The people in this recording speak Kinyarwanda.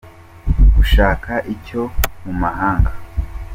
gushaka icyo mu mahanga.